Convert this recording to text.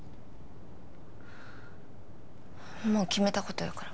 もう決めたことやから